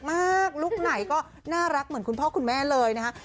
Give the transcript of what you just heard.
ลูกไหนก็น่ารักเหมือนคุณพ่อคุณแม่เลยนะฮะ